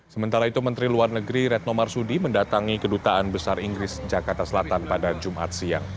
sementara itu menteri luar negeri retno marsudi mendatangi kedutaan besar inggris jakarta selatan pada jumat siang